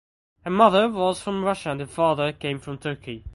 Her mother was from Russia and her father came from Turkey.